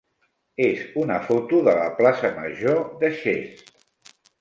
és una foto de la plaça major de Xest.